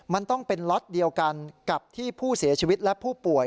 มันต้องเป็นล็อตเดียวกันกับที่ผู้เสียชีวิตและผู้ป่วย